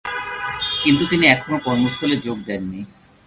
কিন্তু তিনি এখনো কর্মস্থলে যোগ দেননি।